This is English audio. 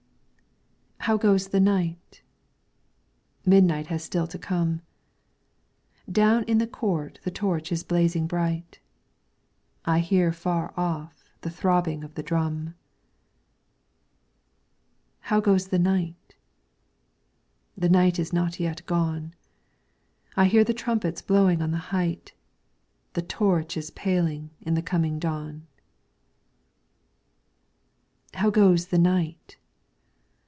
How goes the night ? Midnight has still to come, Down in the court the torch is blazing bright ; I hear far off the throbbing of the drum. How goes the night ? The night is not yet gone. I hear the trumpets blowing on the height ; The torch is paling in the coming dawn. How goes the night